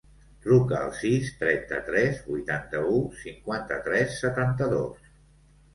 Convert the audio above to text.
Truca al sis, trenta-tres, vuitanta-u, cinquanta-tres, setanta-dos.